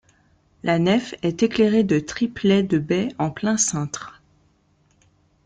La nef est éclairée de triplets de baies en plein-cintre.